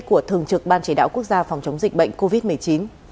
của thường trực ban chỉ đạo quốc gia phòng chống dịch bệnh covid một mươi chín